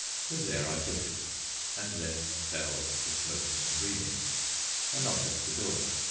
So there I put it, and then fell to smoking and reading. A knock at the door.